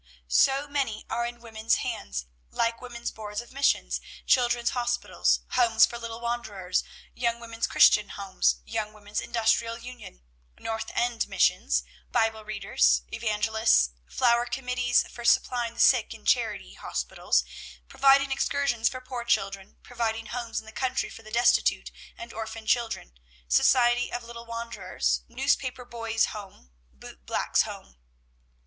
"So many are in women's hands; like women's boards of missions, children's hospitals, homes for little wanderers, young women's Christian homes, young women's industrial union, North End missions, Bible readers, evangelists, flower committees for supplying the sick in charity hospitals, providing excursions for poor children, providing homes in the country for the destitute and orphan children, society of little wanderers, newspaper boys' home, boot black boys' home.